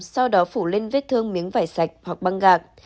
sau đó phủ lên vết thương miếng vải sạch hoặc băng gạc